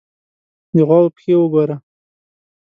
_د غواوو پښې وګوره!